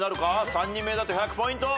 ３人目だと１００ポイント。